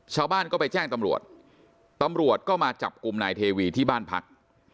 ชาวบ้านก็ไปแจ้งตำรวจตำรวจตำรวจก็มาจับกลุ่มนายเทวีที่บ้านพัก